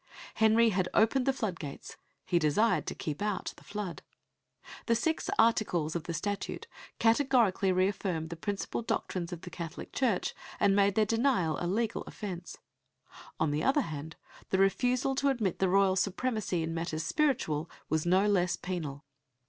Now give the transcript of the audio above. Henry had opened the floodgates; he desired to keep out the flood. The Six Articles of the Statute categorically reaffirmed the principal doctrines of the Catholic Church, and made their denial a legal offence. On the other hand the refusal to admit the royal supremacy in matters spiritual was no less penal.